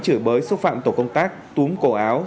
chửi bới xúc phạm tổ công tác túm cổ áo